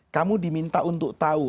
kamu diminta untuk tahu